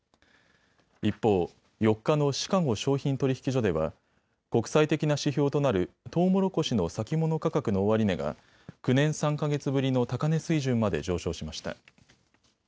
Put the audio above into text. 一方、４日のシカゴ商品取引所では国際的な指標となるトウモロコシの先物価格の終値が９年３か月ぶりの高値水準まで上昇しました。